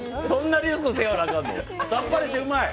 さっぱりしてうまい。